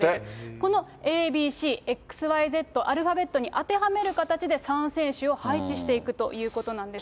このＡＢＣ、ＸＹＺ、アルファベットに当てはめる形で、３選手を配置していくということなんですね。